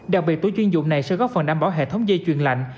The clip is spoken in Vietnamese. đặc biệt tủi chuyên dụng này sẽ góp phần đảm bảo hệ thống dây chuyền lạnh